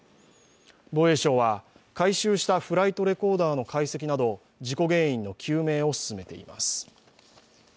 防衛省は、回収したフライトレコーダーの解析など、事故原因の究明を進めています。